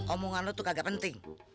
omongan lu tuh kagak penting